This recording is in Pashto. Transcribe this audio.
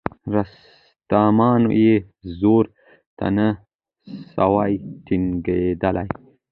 رستمان یې زور ته نه سوای ټینګېدلای